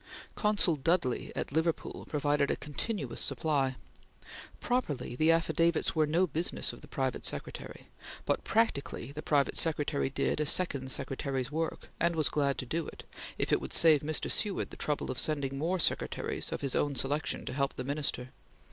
Consul Dudley at Liverpool provided a continuous supply. Properly, the affidavits were no business of the private secretary, but practically the private secretary did a second secretary's work, and was glad to do it, if it would save Mr. Seward the trouble of sending more secretaries of his own selection to help the Minister.